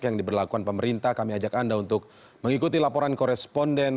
yang diberlakukan pemerintah kami ajak anda untuk mengikuti laporan koresponden